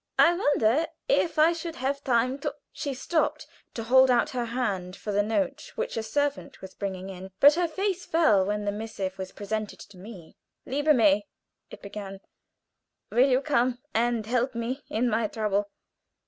I wonder if I should have time to " She stopped to hold out her hand for the note which a servant was bringing in; but her face fell when the missive was presented to me. "LIEBE MAI" it began "Will you come and help me in my trouble?